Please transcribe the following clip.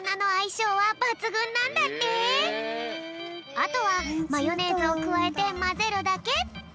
あとはマヨネーズをくわえてまぜるだけ。